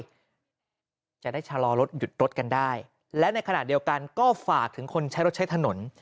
จะได้ชะลอรถหยุดรถกันได้และในขณะเดียวกันก็ฝากถึงคนใช้รถใช้ถนน